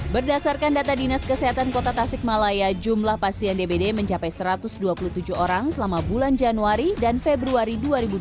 berdasarkan data dinas kesehatan kota tasikmalaya jumlah pasien dbd mencapai satu ratus dua puluh tujuh orang selama bulan januari dan februari dua ribu dua puluh